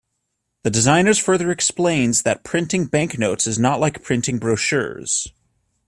The designers further explains that printing banknotes is not like printing brochures.